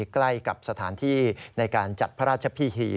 ใกล้กับสถานที่ในการจัดพระราชพิธี